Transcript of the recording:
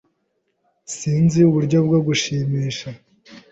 Sinzi uburyo bwo kugushimisha.